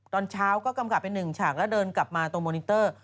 ตอนเช้าก็กำกับเป็นหนึ่งฉากแล้วเดินกลับมาตรงโมนิเตอร์